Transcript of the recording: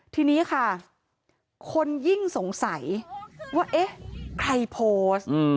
ทีนี้ค่ะคนยิ่งสงสัยว่าเอ๊ะใครโพสต์